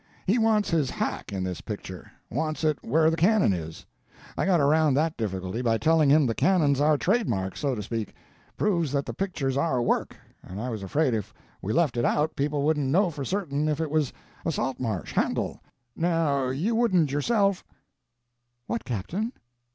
He wants his hack in this picture. Wants it where the cannon is. I got around that difficulty, by telling him the cannon's our trademark, so to speak—proves that the picture's our work, and I was afraid if we left it out people wouldn't know for certain if it was a Saltmarsh—Handel—now you wouldn't yourself—" "What, Captain?